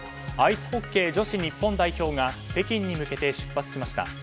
アイスホッケー女子日本代表が北京に向けて出発しました。